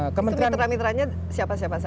itu mitra mitranya siapa siapa saja